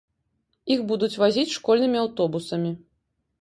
Іх будуць вазіць школьнымі аўтобусамі.